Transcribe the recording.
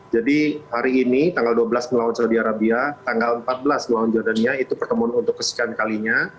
jadi hari ini tanggal dua belas melawan saudi arabia tanggal empat belas melawan jordania itu pertemuan untuk kesihatan